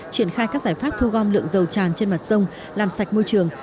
triển khai các giải pháp thu gom lượng dầu tràn trên mặt sông làm sạch môi trường